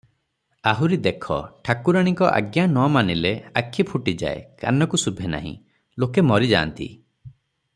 ଆହୁରି ଦେଖ; ଠାକୁରାଣୀଙ୍କ ଆଜ୍ଞା ନ ମାନିଲେ ଆଖି ଫୁଟିଯାଏ, କାନକୁ ଶୁଭେ ନାହିଁ, ଲୋକେ ମରିଯାନ୍ତି ।